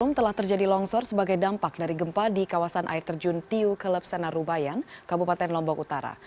bapak muhammad rum telah terjadi longsor sebagai dampak dari gempa di kawasan air terjun tiu kelepsana rubayan kabupaten lombok utara